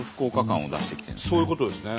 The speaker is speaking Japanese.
そういうことですね。